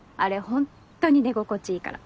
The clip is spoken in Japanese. ほんとに寝心地いいから。